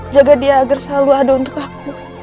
jaga dia agar selalu ada untuk aku